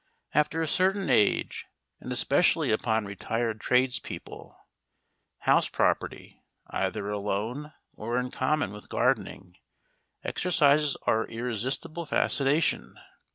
After a certain age, and especially upon retired tradespeople, house property, either alone or in common with gardening, exercises an irresistible fascination.